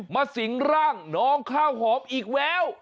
สิงร่างน้องข้าวหอมอีกแล้ว